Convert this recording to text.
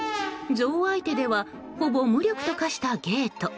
ゾウ相手ではほぼ無力と化したゲート。